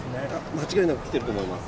間違いなく来てると思います。